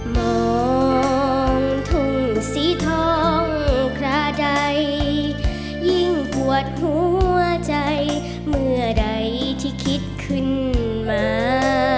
มองทุ่งสีทองคราใดยิ่งปวดหัวใจเมื่อใดที่คิดขึ้นมา